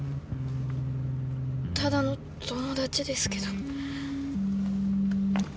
ただの友達ですけど。